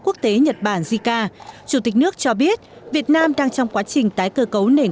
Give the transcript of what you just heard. quốc tế nhật bản jica chủ tịch nước cho biết việt nam đang trong quá trình tái cơ cấu nền